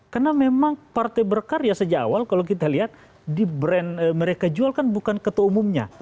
karena memang partai berkarya sejak awal kalau kita lihat di brand mereka jual kan bukan ketua umumnya